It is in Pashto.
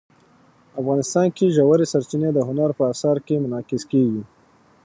افغانستان کې ژورې سرچینې د هنر په اثار کې منعکس کېږي.